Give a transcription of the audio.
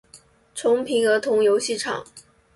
重平儿童游戏场